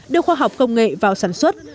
đưa khoa học công nghệ vào sản xuất